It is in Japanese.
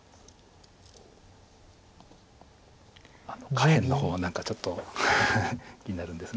下辺の方は何かちょっと気になるんです。